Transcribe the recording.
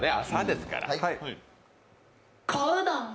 小うどん。